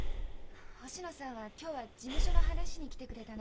星野さんは今日は事務所の話に来てくれたの。